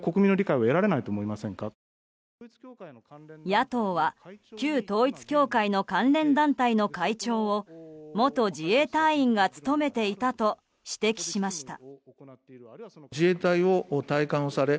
野党は旧統一教会の関連団体の会長を元自衛隊員が務めていたと指摘しました。